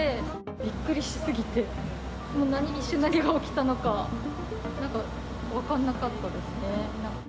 びっくりしすぎて、もう一瞬、何が起きたのか、なんか分かんなかったですね。